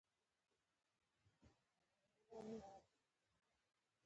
په ښار کې ښوونځي ډېر دي.